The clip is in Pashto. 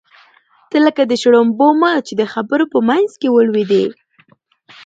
ته لکه د شړومبو مچ د خبرو په منځ کې ولوېدې.